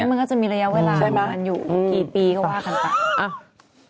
เซงส์มันก็จะมีระยะเวลามันอยู่กี่ปีเขาว่ากันต่าง